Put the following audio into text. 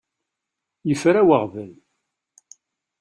Yefra weɣbel.